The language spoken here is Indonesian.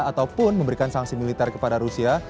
ataupun memberikan sanksi militer kepada rusia